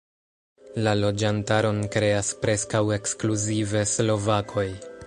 La loĝantaron kreas preskaŭ ekskluzive slovakoj.